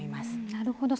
なるほど。